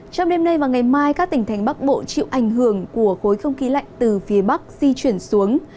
trong đêm nay và ngày mai các tỉnh thành bắc bộ chịu ảnh hưởng của khối không khí lạnh từ phía bắc di chuyển xuống